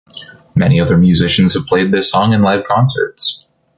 Many other musicians have played this song in live concerts.